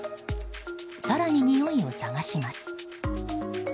更ににおいを捜します。